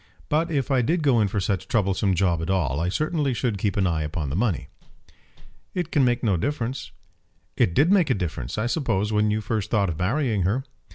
But if I did go in for such a troublesome job at all, I certainly should keep an eye upon the money." "It can make no difference." "It did make a difference, I suppose, when you first thought of marrying her?"